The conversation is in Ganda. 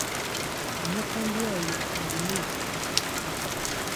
Omufumbi oyo alina ekisa.